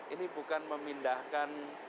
ini bukan memindahkan